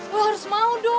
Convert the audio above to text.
lo harus mau dong